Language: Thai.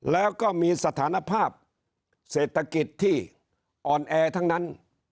แล้วก็มีสถานภาพเศรษฐกิจที่อ่อนแอทั้งนั้น